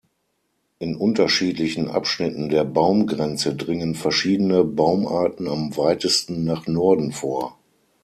In unterschiedlichen Abschnitten der Baumgrenze dringen verschiedene Baumarten am weitesten nach Norden vor.